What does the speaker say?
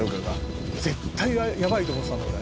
「絶対やばいと思ってたんだ俺」